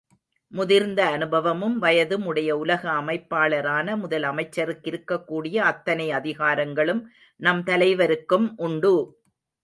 முதிர்ந்த அனுபவமும் வயதும் உடைய உலக அமைப்பாளரான முதல் அமைச்சருக்கிருக்கக்கூடிய அத்தனை அதிகாரங்களும் நம் தலைவருக்கும் உண்டு!